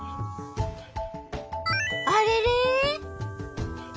あれれ？